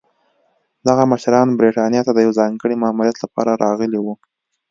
دغه مشران برېټانیا ته د یوه ځانګړي ماموریت لپاره راغلي وو.